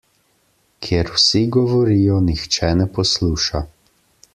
Kjer vsi govorijo, nihče ne posluša.